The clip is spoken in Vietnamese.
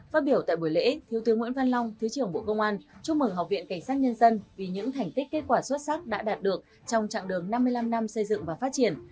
phát biểu tại buổi lễ thiếu tướng nguyễn văn long thứ trưởng bộ công an chúc mừng học viện cảnh sát nhân dân vì những thành tích kết quả xuất sắc đã đạt được trong trạng đường năm mươi năm năm xây dựng và phát triển